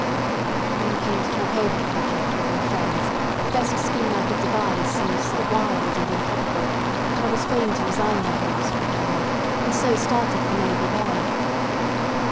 But when I came to talk over the project with my friends, the best scheme I could devise seemed so wild and improbable, that I was fain to resign my hopes for a time, and so started for Navy Bay.